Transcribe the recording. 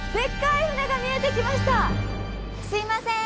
すいません！